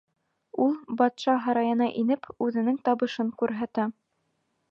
Ул, батша һарайына инеп, үҙенең табышын күрһәтә.